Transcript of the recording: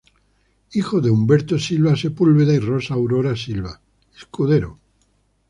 Hijo de Humberto Silva Sepúlveda y Rosa Aurora Silva Escudero.